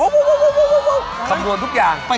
กำลังสกัสซี่อยู่สกัสซี่แหลม